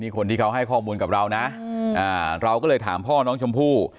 คนที่เขาให้ข้อมูลกับเรานะเราก็เลยถามพ่อน้องชมพู่